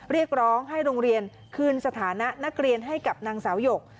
เรียกร้องให้โรงเรียนคืนสถานะนักเรียนให้กับนางสาวหยก